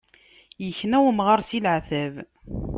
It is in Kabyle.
Yekna umɣar si leɛtab.